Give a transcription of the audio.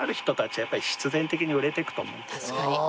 確かに。